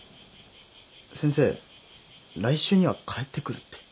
先生来週には帰ってくるって。